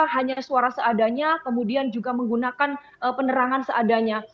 hanya suara seadanya kemudian juga menggunakan penerangan seadanya